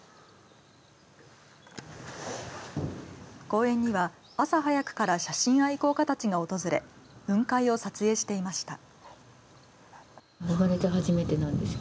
公園には朝早くから写真愛好家たちが訪れ雲海を撮影していました。